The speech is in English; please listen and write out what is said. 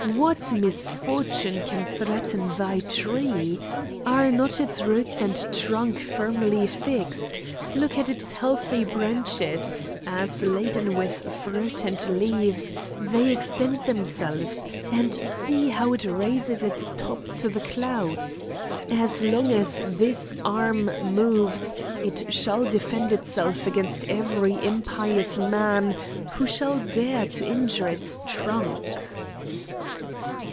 What misfortune can threaten thy tree? Are not its roots and trunk firmly fixed? Look at its healthy branches, as, laden with fruit and leaves, they extend themselves, and see how it raises its top to the clouds. As long as this arm moves, it shall defend itself against every impious man who shall dare to injure its trunk."